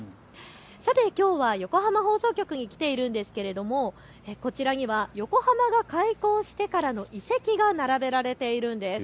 さてきょうは横浜放送局に来ているんですけれども、こちらには横浜が開港してからの遺跡が並べられているんです。